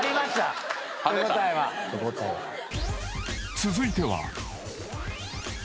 ［続いては］